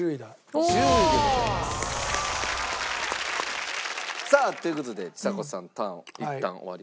おお！さあという事でちさ子さんのターンいったん終わりました。